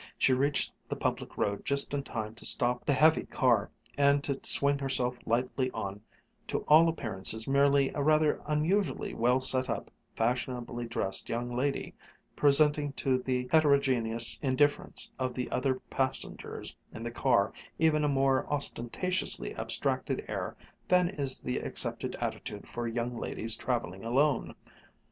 She reached the public road just in time to stop the heavy car, and to swing herself lightly on, to all appearances merely a rather unusually well set up, fashionably dressed young lady, presenting to the heterogeneous indifference of the other passengers in the car even a more ostentatiously abstracted air than is the accepted attitude for young ladies traveling alone.